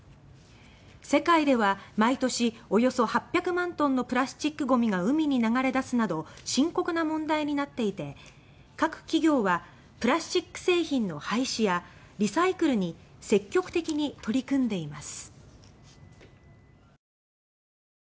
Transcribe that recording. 世界では毎年およそ８００万トンのプラスチックごみが海に流れ出すなど深刻な問題になっていて各企業はプラスチック製品の廃止やリサイクルに積極的に取り組んでいます。